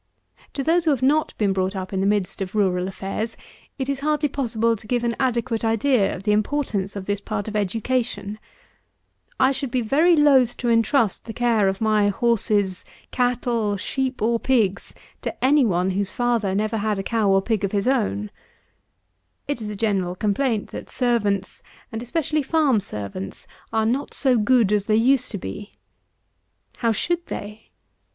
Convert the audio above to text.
To those who have not been brought up in the midst of rural affairs, it is hardly possible to give an adequate idea of the importance of this part of education. I should be very loth to intrust the care of my horses, cattle, sheep, or pigs, to any one whose father never had cow or pig of his own. It is a general complaint, that servants, and especially farm servants, are not so good as they used to be. How should they?